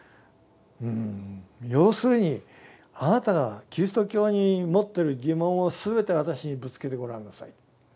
「うん要するにあなたがキリスト教に持ってる疑問を全て私にぶつけてごらんなさい。